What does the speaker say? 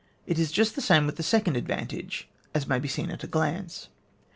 It is just the same with the second advantage, as may be seen at a glance.